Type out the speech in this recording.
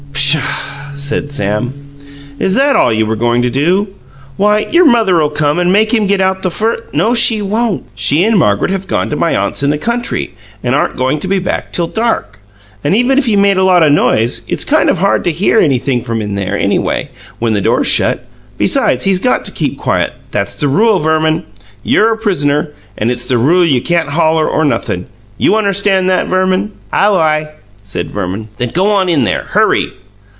"Pshaw!" said Sam. "Is that all you were goin' to do? Why, your mother'll come and make him get out the first " "No, she won't. She and Margaret have gone to my aunt's in the country, and aren't goin' to be back till dark. And even if he made a lot o' noise, it's kind of hard to hear anything from in there, anyway, when the door's shut. Besides, he's got to keep quiet that's the rule, Verman. You're a pris'ner, and it's the rule you can't holler or nothin'. You unnerstand that, Verman?" "Aw wi," said Verman. "Then go on in there. Hurry!"